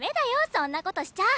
そんなことしちゃ。